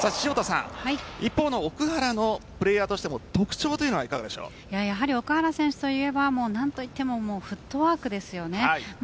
一方の奥原プレーヤーとしての特徴としては奥原選手といえば何といってもフットワークです。